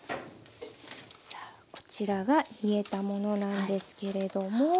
こちらが冷えたものなんですけれども。